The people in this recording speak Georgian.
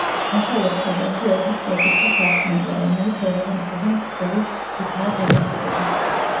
დასავლეთ კედელში ერთი სწორკუთხა სარკმელია, რომელიც ორივე მხრიდან ბრტყელი ქვითაა გადახურული.